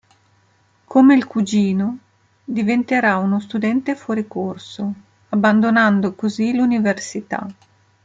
Come il cugino, diventerà uno studente fuori corso, abbandonando così l'università.